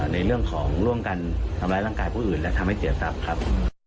ในเรื่องของร่วมกันทำร้ายร่างกายผู้อื่นและทำให้เสียทรัพย์ครับ